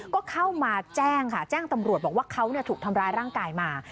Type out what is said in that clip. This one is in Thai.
ก็เข้ามาแจ้งค่ะแจ้งตำรวจบอกว่าเขาถูกทำร้ายร่างกายมา